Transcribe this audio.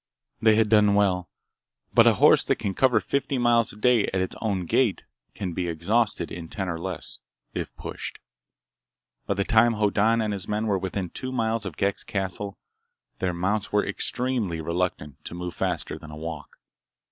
They had done well. But a horse that can cover fifty miles a day at its own gait, can be exhausted in ten or less, if pushed. By the time Hoddan and his men were within two miles of Ghek's castle, their mounts were extremely reluctant to move faster than a walk.